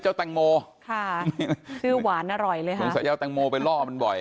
เจ้าแตงโมค่ะคือหวานอร่อยเลยครับสายยาวแตงโมไปล่อมันบ่อย